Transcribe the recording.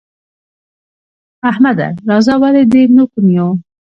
احمده! راځه ولې دې نوک نيو؟